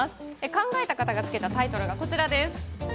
考えた方がつけたタイトルがこちらです。